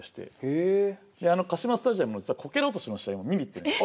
あのカシマスタジアムの実はこけら落としの試合も見に行ってるんです。